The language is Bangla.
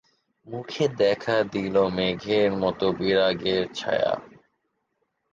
মুখে দেখা দিল মেঘের মতো বিরাগের ছায়া।